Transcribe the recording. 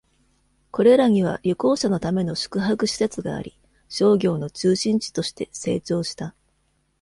これらには旅行者のための宿泊施設があり、商業の中心地として成長した。